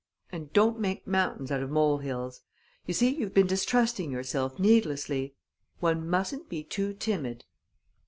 "And don't make mountains out of mole hills. You see, you've been distrusting yourself needlessly. One mustn't be too timid!"